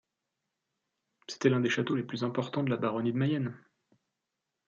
C'était l’un des châteaux les plus importants de la baronnie de Mayenne.